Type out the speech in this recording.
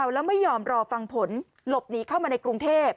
แล้วไม่ยอมรอฟังผลหลบหนีเข้ามาในกรุงเทพ